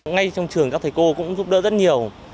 ngay trong trường các thầy cô cũng giúp đỡ rất nhiều